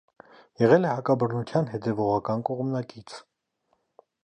Եղել է հակաբռնության հետևողական կողմնակից։